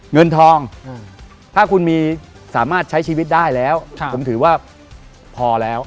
เงินทองถ้าคุณมีสามารถใช้ชีวิตได้แล้วผมถือว่าพอแล้ว